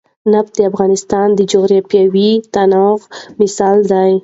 نفت د افغانستان د جغرافیوي تنوع مثال دی.